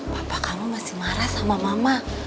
bapak kamu masih marah sama mama